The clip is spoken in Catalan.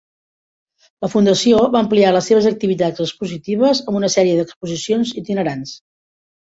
La fundació va ampliar les seves activitats expositives amb una sèrie d'exposicions itinerants.